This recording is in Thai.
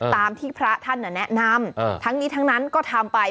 ตามที่พระท่านแนะนำทั้งนี้ทั้งนั้นก็ทำไป